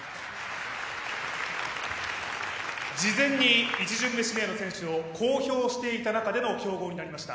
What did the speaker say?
事前に１巡目指名の選手を公表していた中での競合になりました。